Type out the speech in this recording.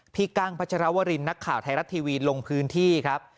กั้งพัชรวรินนักข่าวไทยรัฐทีวีลงพื้นที่ครับ